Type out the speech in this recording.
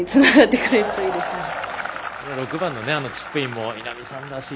６番のチップインも稲見さんらしい